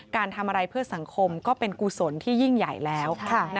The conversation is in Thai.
การทำอะไรเพื่อสังคมก็เป็นกุศลที่ยิ่งใหญ่แล้ว